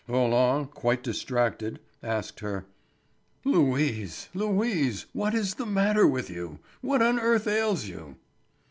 Roland, quite distracted, asked her: "Louise, Louise, what is the mater with you? What on earth ails you?"